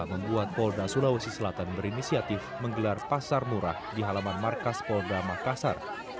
membuat polda sulawesi selatan berinisiatif menggelar pasar murah di halaman markas polda makassar